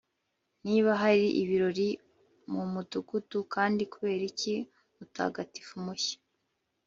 niba hari ibirori mumudugudu, kandi kuberiki umutagatifu mushya